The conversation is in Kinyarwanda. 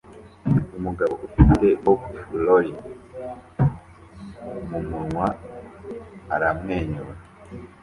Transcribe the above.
Umugabo ufite pop lolly mumunwa aramwenyura